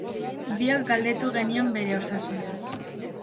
Biok galdetu genion bere osasunaz.